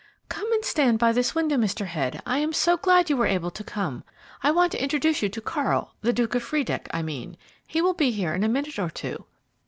"Come and stand by this window, Mr. Head. I am so glad you were able to come I want to introduce you to Karl the Duke of Friedeck, I mean; he will be here in a minute or two."